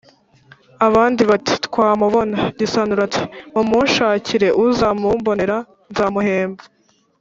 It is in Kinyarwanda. abandi, bati: «twamubona». gisanura ati: «mumunshakire, uzamumbonera nzamuhemba».